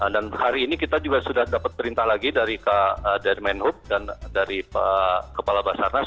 dan hari ini kita juga sudah dapat perintah lagi dari dermen hub dan dari kepala basarnas